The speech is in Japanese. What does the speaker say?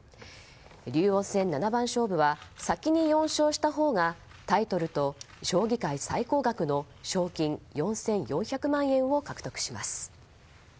竜王戦七番勝負は先に４勝したほうがタイトルと将棋界最高額の賞金４４００万円を獲得します。